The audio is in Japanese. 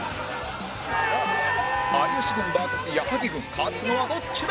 有吉軍 ＶＳ 矢作軍勝つのはどっちだ？